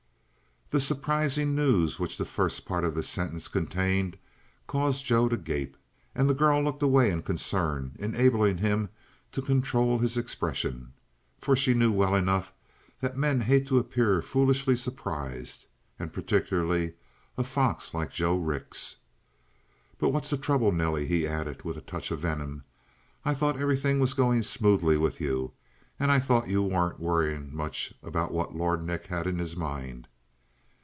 The surprising news which the first part of this sentence contained caused Joe to gape, and the girl looked away in concern, enabling him to control his expression. For she knew well enough that men hate to appear foolishly surprised. And particularly a fox like Joe Rix. "But what's the trouble, Nelly?" He added with a touch of venom: "I thought everything was going smoothly with you. And I thought you weren't worrying much about what Lord Nick had in his mind."